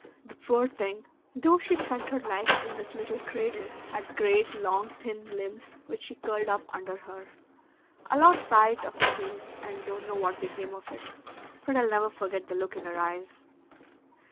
The poor thing, though she spent her life in this little cradle, had great, long, thin limbs which she curled up under her. I lost sight of the case and don't know what became of it, but I'll never forget the look in her eyes."